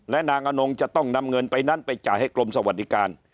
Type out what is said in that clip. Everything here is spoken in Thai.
และนางอนงจะต้องนำเงินไปนั้นไปจ่ายให้กรมสวัสดิการ